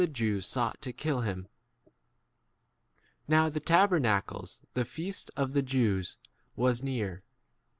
2 Jews sought to kill him. Now the tabernacles, the feast of the $ Jews, was near.